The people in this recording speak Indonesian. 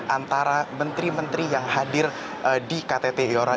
antara menteri menteri yang hadir di ktt iora